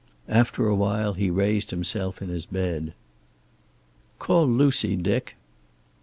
After a while he raised himself in his bed. "Call Lucy, Dick."